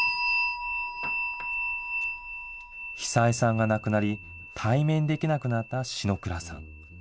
久枝さんが亡くなり、対面できなくなった篠倉さん。